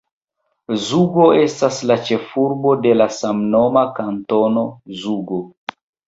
Zugo estas la ĉefurbo de la samnoma Kantono Zugo.